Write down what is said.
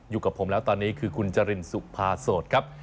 อยู่กับผมแล้วตอนนี้คือคุณจรินสุภาโสดครับ